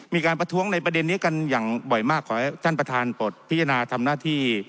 มีการประท้วงในประเด็นนี้กันอย่างบ่อยมากขอให้ท่านประธานปลดพิจารณาทำหน้าที่